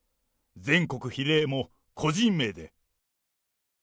全国比例も個人名で。